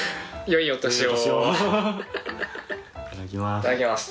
いただきます。